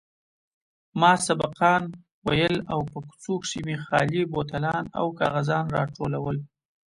ما سبقان ويل او په کوڅو کښې مې خالي بوتلان او کاغذان راټولول.